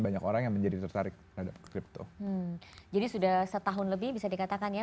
banyak orang yang menjadi tertarik terhadap crypto jadi sudah setahun lebih bisa dikatakan ya